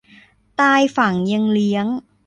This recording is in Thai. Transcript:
ตายฝังยังเลี้ยง